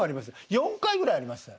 ４回ぐらいありましたよ。